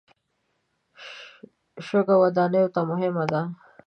شګه ودانیو ته مهمه ده.